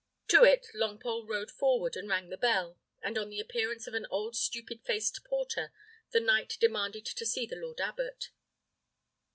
To it Longpole rode forward, and rang the bell; and on the appearance of an old stupid faced porter, the knight demanded to see the lord abbot.